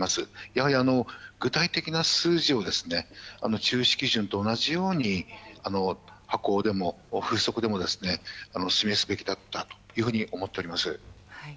やはり具体的な数字を中止基準と同じように風速でも示すべきだったと思っています。